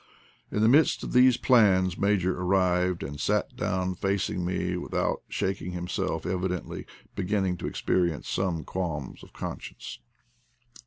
In the midst of these plans Major arrived, and sat down facing 70 IDLE DAYS IN PATAGONIA! me without shaking himself, evidently beginning to experience some qualms of conscience.